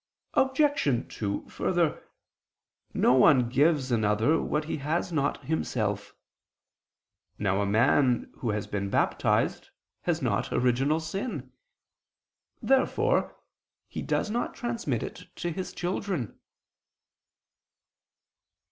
Obj. 2: Further, no one gives another what he has not himself. Now a man who has been baptized has not original sin. Therefore he does not transmit it to his children.